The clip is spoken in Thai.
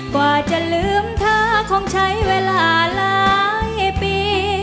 กว่าจะลืมเธอคงใช้เวลาหลายปี